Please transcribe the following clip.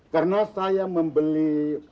karena saya membeli